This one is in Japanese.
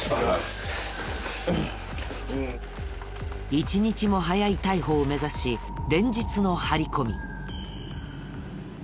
一日も早い逮捕を目指し連日の張り込み。